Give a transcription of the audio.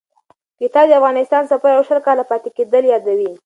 کتاب د افغانستان سفر او شل کاله پاتې کېدل یادوي.